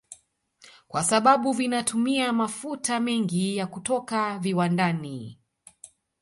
Kwa sababu vinatumia mafuta mengi ya kutoka viwandani